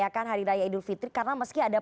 ya kan hari raya idul fitri karena meski ada